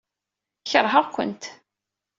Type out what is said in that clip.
Keṛheɣ-kent.